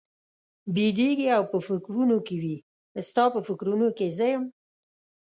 بېدېږي او په فکرونو کې وي، ستا په فکرونو کې زه یم؟